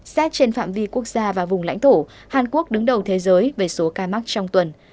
xét trên phạm vi quốc gia và vùng lãnh thổ hàn quốc đứng đầu thế giới về số ca mắc trong tuần